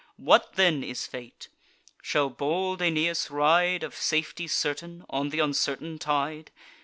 What then is fate? Shall bold Aeneas ride, Of safety certain, on th' uncertain tide?